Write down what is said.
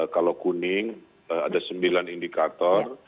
kalau kuning ada sembilan indikator